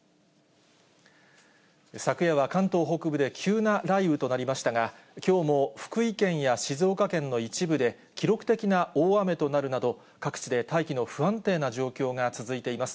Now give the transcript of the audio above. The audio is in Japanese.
昨夜は関東北部で急な雷雨となりましたが、きょうも福井県や静岡県の一部で記録的な大雨となるなど、各地で大気の不安定な状況が続いています。